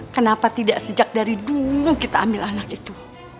kenapa tidak sejak dari dulu kita ambil anak itu